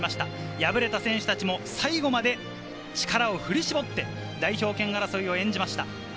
敗れた選手たちも最後まで力を振り絞って代表権争いを演じました。